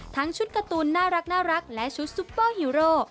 ทั้งชุดการ์ตูนน่ารักและชุดซุปเปอร์ฮีโร่